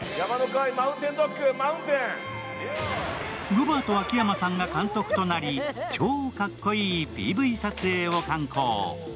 ロバート秋山さんが監督となり、超かっこいいＰＶ撮影を敢行。